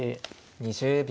２０秒。